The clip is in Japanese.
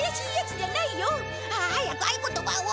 早く合言葉を！